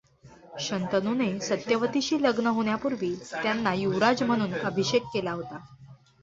शंतनूने सत्यवतीशी लग् न होण्यापूर्वी त्यांना युवराज म्हणून अभिषेक केला होता.